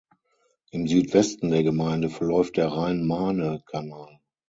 Im Südwesten der Gemeinde verläuft der Rhein-Marne-Kanal.